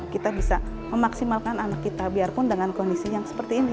kita bisa memaksimalkan anak kita biarpun dengan kondisi yang seperti ini